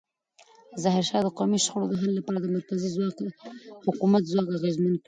ظاهرشاه د قومي شخړو د حل لپاره د مرکزي حکومت ځواک اغېزمن کړ.